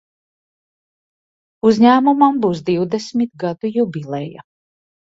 Uzņēmumam būs divdesmit gadu jubileja.